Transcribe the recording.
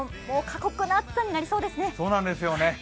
過酷な暑さになりそうですね。